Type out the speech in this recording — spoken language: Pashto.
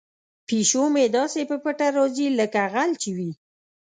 پیشو مې داسې په پټه راځي لکه غل چې وي.